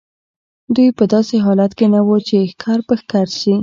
دوی په داسې حالت کې نه وو چې ښکر په ښکر شي.